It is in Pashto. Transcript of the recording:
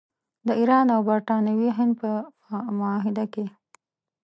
د ایران او برټانوي هند په معاهده کې.